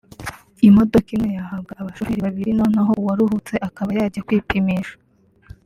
imodoka imwe yahabwa abashoferi babiri noneho uwaruhutse akaba yajya kwipimisha”